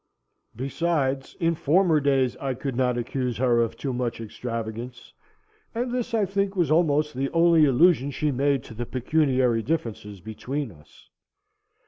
Besides, in former days I could not accuse her of too much extravagance, and this I think was almost the only allusion she made to the pecuniary differences between us.